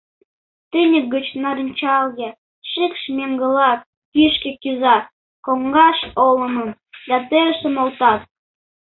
Тӱньык гыч нарынчалге шикш меҥгыла кӱшкӧ кӱза: коҥгаш олымым да терысым олтат.